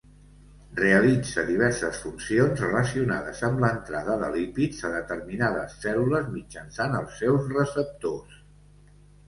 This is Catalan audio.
Realitza diverses funcions relacionades amb l'entrada de lípids a determinades cèl·lules mitjançant els seus receptors.